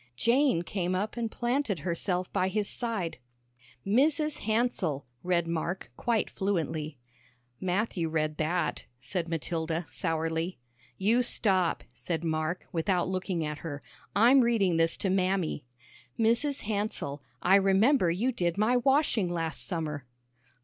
Jane came up and planted herself by his side. "'Mrs. Hansell,'" read Mark, quite fluently. "Matthew read that," said Matilda, sourly. "You stop," said Mark, without looking at her; "I'm reading this to Mammy. 'Mrs. Hansell, I remember you did my washing last summer.'"